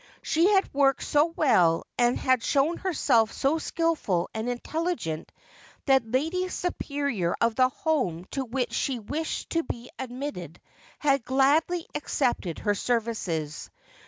She had worked so well, and had shown herself so skilful and intelligent. that the Lady Superior of the Home to which she wished to be admitted had gladly accepted her services.